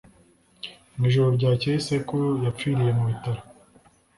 Mu ijoro ryakeye, sekuru yapfiriye mu bitaro.